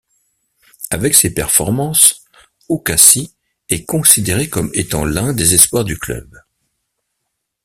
Avec ces performances, Oukaci est considéré comme étant l'un des espoirs du club.